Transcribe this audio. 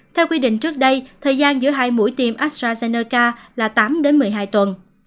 theo quy định trước đây thời gian giữa hai mũi tiêm astrazeneca là tám đến một mươi hai tuần